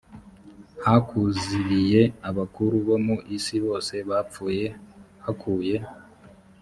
hakuz riye abakuru bo mu isi bose bapfuye hakuye